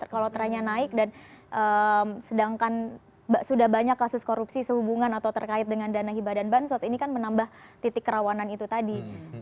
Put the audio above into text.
kalau trennya naik dan sedangkan sudah banyak kasus korupsi sehubungan atau terkait dengan dana hibah dan bansos ini kan menambah titik kerawanan itu tadi